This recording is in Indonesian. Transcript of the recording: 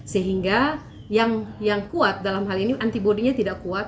sehingga yang kuat dalam hal ini antibody nya tidak kuat